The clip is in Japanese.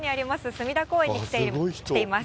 隅田公園に来ています。